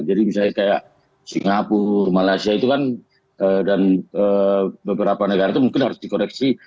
jadi misalnya kayak singapura malaysia itu kan dan beberapa negara itu mungkin harus dikoreksi